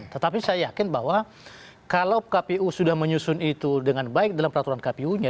tetapi saya yakin bahwa kalau kpu sudah menyusun itu dengan baik dalam peraturan kpu nya